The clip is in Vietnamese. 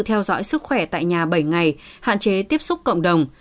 theo dõi sức khỏe tại nhà bảy ngày hạn chế tiếp xúc cộng đồng